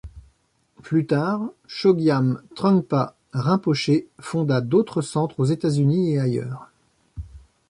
Plus tard, Chögyam Trungpa Rinpoché fonda d'autres centres aux États-Unis et ailleurs.